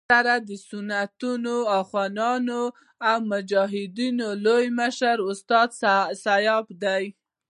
د اکثرو سنتي اخوانیانو او مجاهدینو لوی مشر استاد سیاف دی.